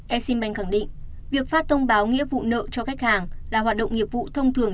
exim bank khẳng định việc phát thông báo nghĩa vụ nợ cho khách hàng là hoạt động nghiệp vụ thông thường